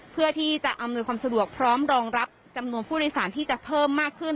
เพื่อที่จะอำนวยความสะดวกพร้อมรองรับจำนวนผู้โดยสารที่จะเพิ่มมากขึ้น